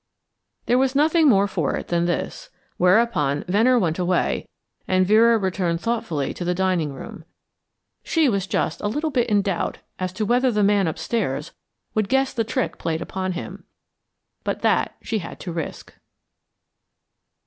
There was nothing more for it than this, whereupon Venner went away and Vera returned thoughtfully to the dining room. She was just a little bit in doubt as to whether the man upstairs would guess the trick played upon him, but that she had to risk.